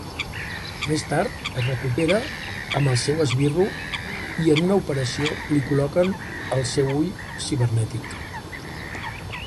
Més tard, es recupera amb el seu esbirro i en una operació li col·loquen el seu ull cibernètic.